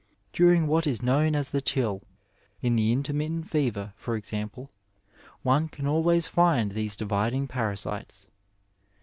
Duimg what is known as the chill, in the intermittent fever, for example, one can always find these dividing parasites.